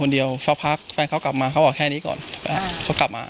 เดียวสักพักแฟนเขากลับมาเขาบอกแค่นี้ก่อนเขากลับมา